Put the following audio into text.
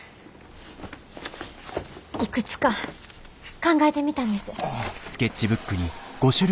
いくつか考えてみたんです。